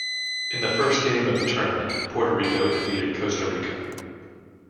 In the first game of the tournament, Puerto Rico defeated Costa Rica.